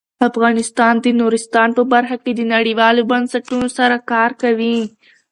افغانستان د نورستان په برخه کې نړیوالو بنسټونو سره کار کوي.